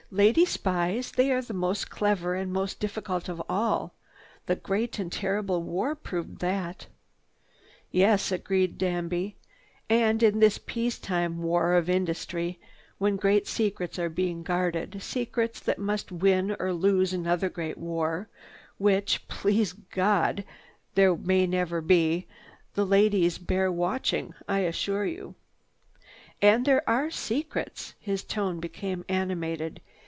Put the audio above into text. "Lady spies, they are the most clever and most difficult of all. The great and terrible war proved that." "Yes," Danby agreed. "And in this peace time war of industry, when great secrets are being guarded, secrets that might win or lose another great war—which, please God, there may never be—the ladies bear watching, I assure you. "And there are secrets,—" his tone became animated.